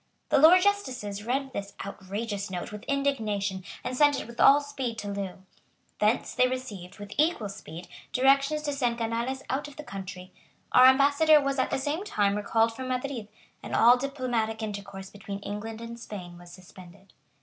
The Lords justices read this outrageous note with indignation, and sent it with all speed to Loo. Thence they received, with equal speed, directions to send Canales out of the country. Our ambassador was at the same time recalled from Madrid; and all diplomatic intercourse between England and Spain was suspended.